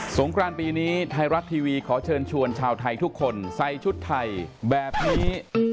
งกรานปีนี้ไทยรัฐทีวีขอเชิญชวนชาวไทยทุกคนใส่ชุดไทยแบบนี้